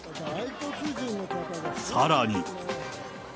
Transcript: さらに。